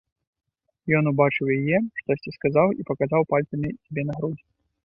Ён убачыў яе, штосьці сказаў і паказаў пальцамі сабе на грудзі.